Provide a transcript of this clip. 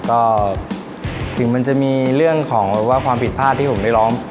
ก็ถึงมันจะมีเรื่องของว่าความผิดพลาดที่ผมได้ร้อง